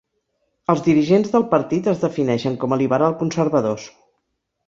Els dirigents del partit es defineixen com a liberal-conservadors.